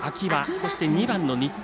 そして、２番の新田。